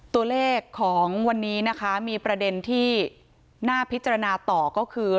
ตัวเลขของวันนี้นะคะมีประเด็นที่น่าพิจารณาต่อก็คือ